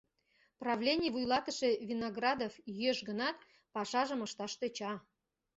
Правлений вуйлатыше Виноградов йӱэш гынат, пашажым ышташ тӧча.